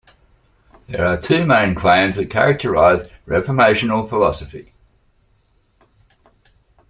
There are two main claims that characterise reformational philosophy.